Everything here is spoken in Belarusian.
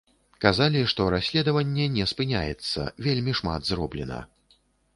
Казалі, што расследаванне не спыняецца, вельмі шмат зроблена.